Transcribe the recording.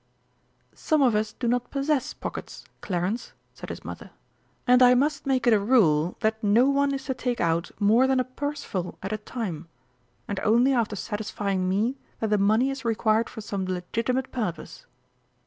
"Some of us do not possess pockets, Clarence," said his mother. "And I must make it a rule that no one is to take out more than a purseful at a time, and only after satisfying me that the money is required for some legitimate purpose."